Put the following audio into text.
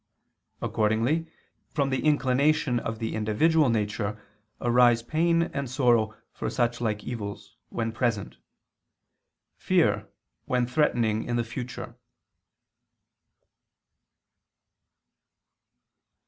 Accordingly, from the inclination of the individual nature arise pain and sorrow for such like evils, when present; fear when threatening in the future.